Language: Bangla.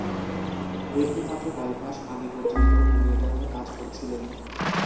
মৃত্যুর মাত্র কয়েক মাস আগে পর্যন্ত তিনি এটা নিয়ে কাজ করছিলেন।